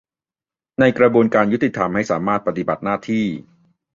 ในกระบวนการยุติธรรมให้สามารถปฏิบัติหน้าที่